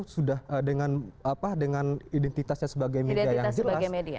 sudah dengan apa dengan identitasnya sebagai media yang jelas